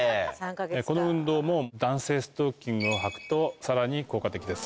この運動も弾性ストッキングをはくとさらに効果的です。